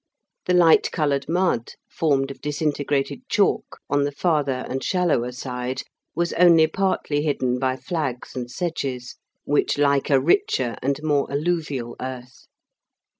The light coloured mud, formed of disintegrated chalk, on the farther and shallower side was only partly hidden by flags and sedges, which like a richer and more alluvial earth.